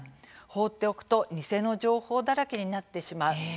放っておくと偽の情報だらけになってしまう。